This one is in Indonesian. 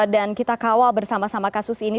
dan kita kawal bersama sama kasus ini